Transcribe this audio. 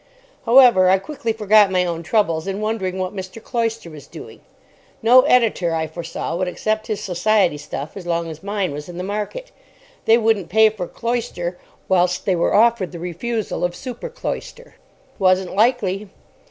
However, I quickly forgot my own troubles in wondering what Mr. Cloyster was doing. No editor, I foresaw, would accept his society stuff as long as mine was in the market. They wouldn't pay for Cloyster whilst they were offered the refusal of super Cloyster. Wasn't likely.